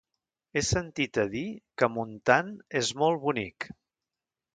He sentit a dir que Montant és molt bonic.